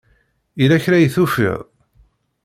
Yella kra i tufiḍ?